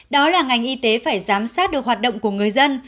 đó là ngành y tế phải giám sát được hoạt động của người dân